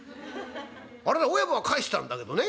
あれで親分は返したんだけどね